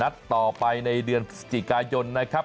ต่อไปในเดือนพฤศจิกายนนะครับ